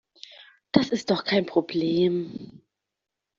Das ist doch kein Problem.